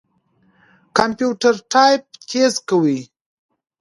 کمپيوټر ټايپ تېز کوي.